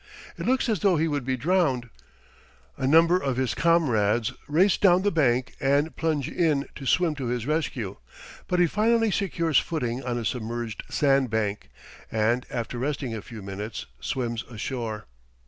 It looks as though he would be drowned; a number of his comrades race down the bank and plunge in to swim to his rescue, but he finally secures footing on a submerged sand bank, and after resting a few minutes swims ashore.